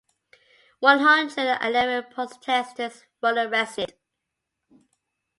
One-hundred and eleven protesters were arrested.